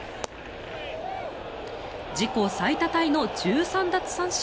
自己最多タイの１３奪三振。